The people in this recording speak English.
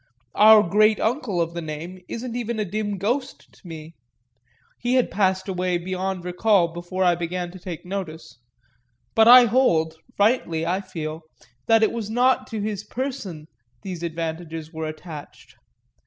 Our great uncle of the name isn't even a dim ghost to me he had passed away beyond recall before I began to take notice; but I hold, rightly, I feel, that it was not to his person these advantages were attached.